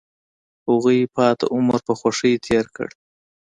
هغوی پاتې عمر په خوښۍ تیر کړ.